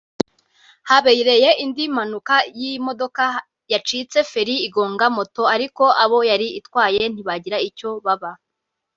habereye indi mpanuka y’imodoka yacitse feri igonga moto ariko abo yari itwaye ntibagira icyo baba